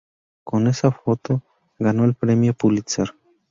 Con esta foto, ganó el premio Pulitzer.